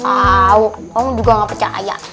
oh kamu juga gak percaya